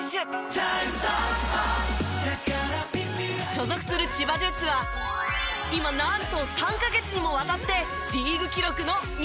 所属する千葉ジェッツは今なんと３カ月にもわたってリーグ記録の２０連勝中。